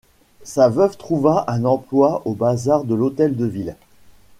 Sa veuve trouva un emploi au Bazar de l'Hôtel de Ville.